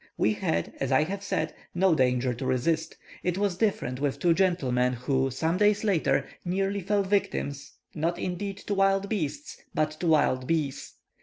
We had, as I have said, no danger to resist; it was different with two gentlemen who, some days later, nearly fell victims, not indeed to wild beasts, but to wild bees.